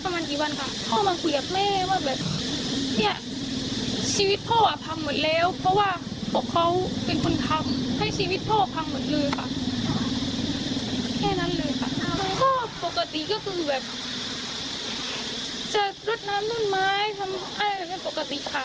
น้ำนู้นไม้น้ำอะไรเหมือนปกติค่ะ